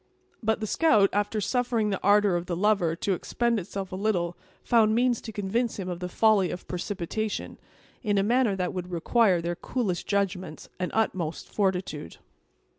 But the scout, after suffering the ardor of the lover to expend itself a little, found means to convince him of the folly of precipitation, in a manner that would require their coolest judgment and utmost fortitude.